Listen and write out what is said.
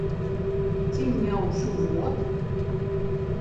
Ці не ў жывот?